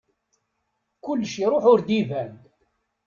Kullec iruḥ ur d-iban.